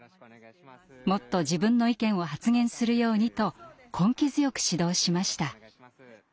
もっと自分の意見を発言するようにと根気強く指導しました。